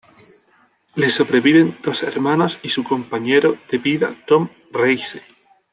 Le sobreviven dos hermanos y su compañero de vida, Tom Reise.